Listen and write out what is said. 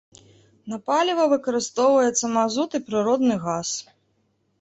На паліва выкарыстоўваецца мазут і прыродны газ.